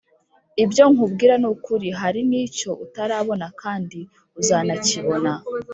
Ibyo nkubwira nukuri hari nicyo utarabona kandi uzanakibona